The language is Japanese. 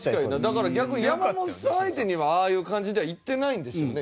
だから逆に山本さん相手にはああいう感じではいってないんでしょうね。